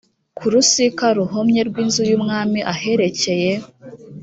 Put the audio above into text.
ku rusika ruhomye rw inzu y umwami aherekeye